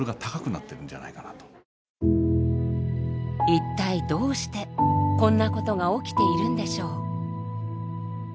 一体どうしてこんなことが起きているんでしょう。